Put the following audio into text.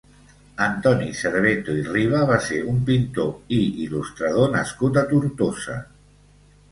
Antoni Cerveto i Riba va ser un pintor i il·lustrador nascut a Tortosa.